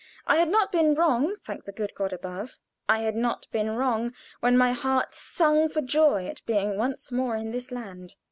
I had not been wrong, thank the good God above! I had not been wrong when my heart sung for joy at being once more in this land.